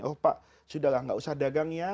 oh pak sudah lah nggak usah dagang ya